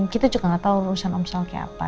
kita juga gak tau urusan om sal kayak apa